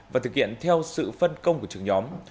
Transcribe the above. và thực hiện theo sản phẩm